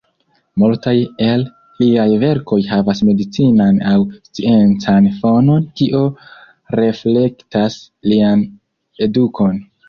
Multaj el liaj verkoj havas medicinan aŭ sciencan fonon kio reflektas lian edukon.